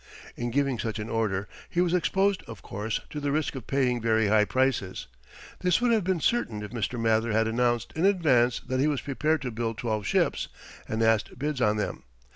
In giving such an order he was exposed, of course, to the risk of paying very high prices. This would have been certain if Mr. Mather had announced in advance that he was prepared to build twelve ships and asked bids on them.